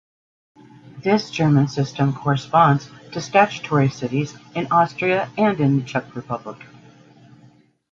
This German system corresponds to statutory cities in Austria and in the Czech Republic.